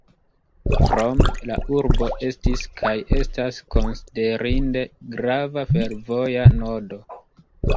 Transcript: Krome la urbo estis kaj estas konsiderinde grava fervoja nodo.